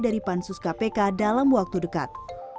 dari pansus kpk dalam waktu dekat